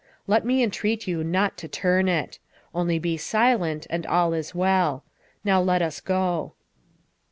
Let me entreat you not to turn it. Only be silent and all is well. Now let us go."